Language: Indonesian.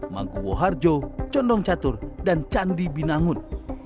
mangkuwo harjo condong catur dan candi binangun